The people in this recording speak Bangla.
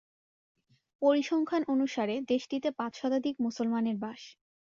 পরিসংখ্যান অনুসারে, দেশটিতে পাঁচ শতাধিক মুসলমানের বাস।